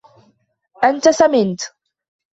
أنت سمنت.